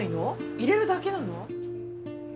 入れるだけなの？